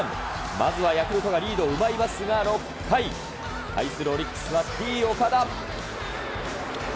まずはヤクルトがリードを奪いますが、６回、対するオリックスは、Ｔー岡田。